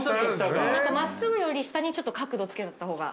真っすぐより下にちょっと角度つけた方が。